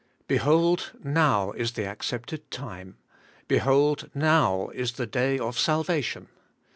'Behold NOW is the accepted time ; behold, now is the day of salvation.